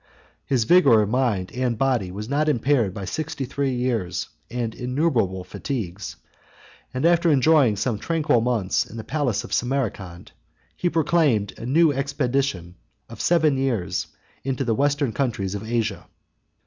His vigor of mind and body was not impaired by sixty three years, and innumerable fatigues; and, after enjoying some tranquil months in the palace of Samarcand, he proclaimed a new expedition of seven years into the western countries of Asia.